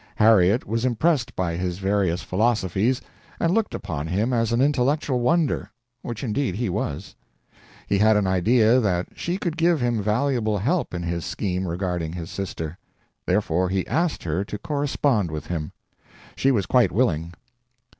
Harriet was impressed by his various philosophies and looked upon him as an intellectual wonder which indeed he was. He had an idea that she could give him valuable help in his scheme regarding his sister; therefore he asked her to correspond with him. She was quite willing.